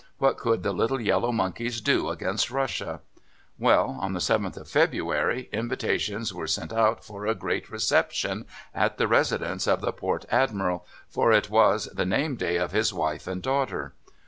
What could the little yellow monkeys do against Russia? Well, on the 7th of February invitations were sent out for a great reception at the residence of the Port Admiral, for it was the name day of his wife and daughter.